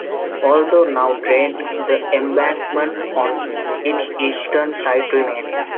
Although now drained, the embankment on its eastern side remains.